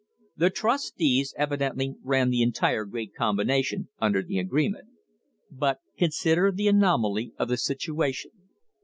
The trustees evidently ran the entire great combination un der the agreement. But consider the anomaly of the situation.